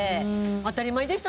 当たり前でした。